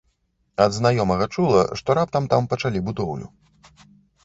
Ад знаёмага чула, што раптам там пачалі будоўлю.